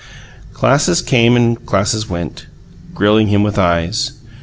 Classes came and classes went, grilling him with eyes.